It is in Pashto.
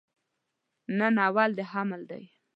نن اول د حمل ده